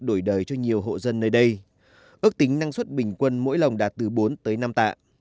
đổi đời cho nhiều hộ dân nơi đây ước tính năng suất bình quân mỗi lồng đạt từ bốn tới năm tạ